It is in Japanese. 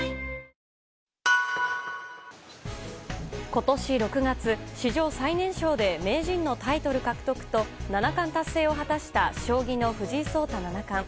今年６月、史上最年少で名人のタイトル獲得と七冠達成を果たした将棋の藤井聡太七冠。